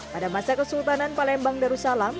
pada masa kesultanan palembang darussalam